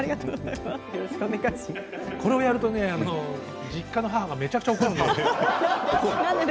これをやると実家の母がめちゃめちゃ怒るんですよ。